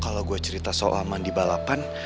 kalau gue cerita soal mandi balapan